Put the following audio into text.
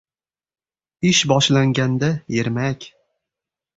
Ish boshlaganda — ermak